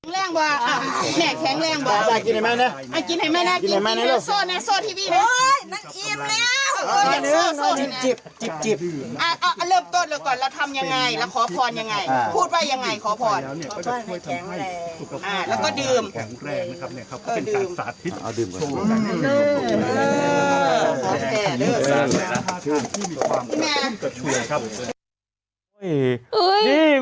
สุดท้ายเร็วแล้วนะสวัสดีค่ะ